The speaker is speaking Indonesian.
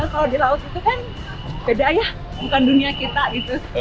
kalau di laut itu kan beda ya bukan dunia kita gitu